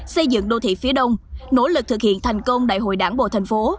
xây dựng đô thị phía đông nỗ lực thực hiện thành công đại hội đảng bộ thành phố